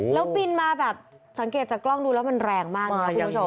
แล้วบินมาแบบสังเกตจากกล้องดูแล้วมันแรงมากนะคุณผู้ชม